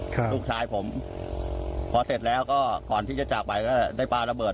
ลูกชายผมพอเสร็จแล้วก็ก่อนที่จะจากไปก็ได้ปลาระเบิด